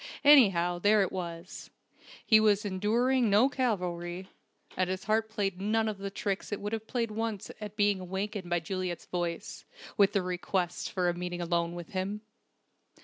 Anyhow, there it was! He was enduring no Calvary, and his heart played none of the tricks it would have played once at being awakened by Juliet's voice, with the request for a meeting alone with him.